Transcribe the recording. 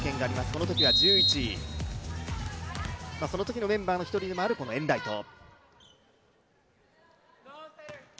このときは１１位、そのときのメンバーの１人でもあるエンライト。